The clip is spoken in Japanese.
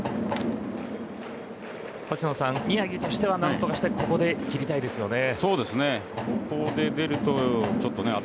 星野さん、宮城としては何とかしてここで切りたいですよね。